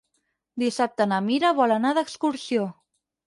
Dissabte na Mira vol anar d'excursió.